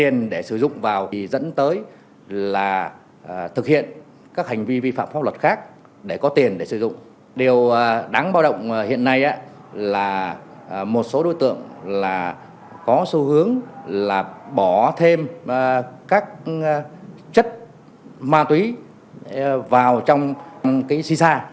nếu bỏ thêm các chất ma túy vào trong xì xa